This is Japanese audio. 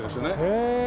へえ。